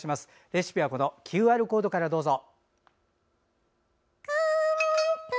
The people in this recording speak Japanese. レシピはＱＲコードからどうぞ。